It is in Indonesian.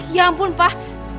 ya ampun pak